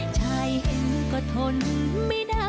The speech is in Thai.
ชายเองก็ทนไม่ได้